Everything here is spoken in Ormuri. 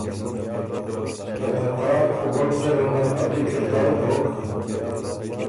که ته تاک وک زرل ن ا پکِر تر دوک۔